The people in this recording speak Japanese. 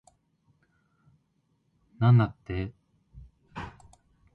なんだって